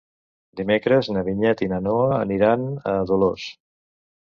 Dimecres na Vinyet i na Noa aniran a Dolors.